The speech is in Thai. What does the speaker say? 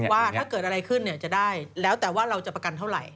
ว่าถ้าเกิดอะไรขึ้นจะได้แล้วแต่ว่าเราจะประกันเท่าไหร